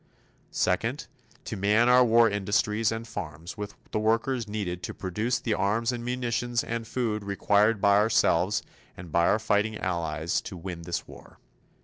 Second, to man our war industries and farms with the workers needed to produce the arms and munitions and food required by ourselves and by our fighting allies to win this war.